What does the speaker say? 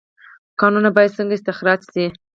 کانونه باید څنګه استخراج شي؟